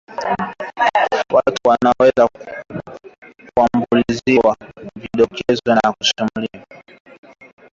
Watu wanaweza kuambukizwa vidoleni na viganjani kwa kugusa jeraha la mnyama mwenye maambukizi